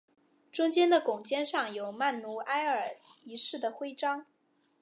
中间的拱肩上有曼努埃尔一世的徽章。